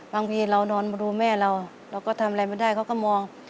บางทีเรานอนมาดูแม่เราเราก็ทำอะไรไม่ได้เขาก็มอง